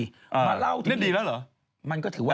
มาเล่าทีนี้มันก็ถือว่าดีแหละอ่านี่ดีแล้วเหรอ